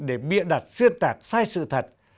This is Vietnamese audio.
để biện đặt xuyên tạc sai sự thật